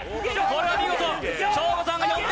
これは見事！